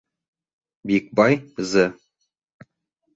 Бикбай, З.